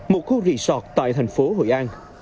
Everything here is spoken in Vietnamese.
một khu resort tại thành phố hội an